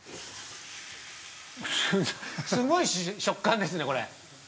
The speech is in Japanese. ◆すごい触感ですね、これ。